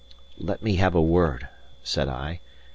"Let me have a word," said I.